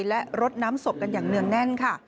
และรดน้ำศพกันอย่างเนื่องแน่นค่ะ